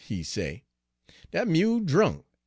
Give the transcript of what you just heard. he say, 'dat mule drunk!